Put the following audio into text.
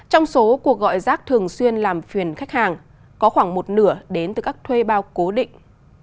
trong số cuộc gọi rác thường xuyên làm phiền khách hàng có khoảng một nửa đến từ các thuê bao cố định